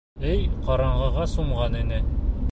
Өй ҡараңғыға сумған ине.